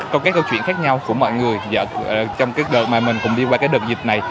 còn cái câu chuyện khác nhau của mọi người trong cái đợt mà mình cùng đi qua cái đợt dịch này